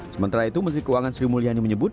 sementara itu menteri keuangan sri mulyani menyebut